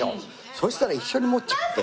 そしたら一緒に持っちゃって。